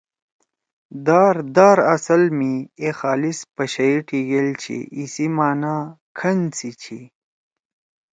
دار: دار اصل می اے خالص پشئی ٹیِگیل چھی ایِسی معنی کھن سی چھی۔